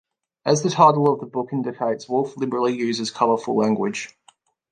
As the title of the book indicates, Wolfe liberally uses colorful language.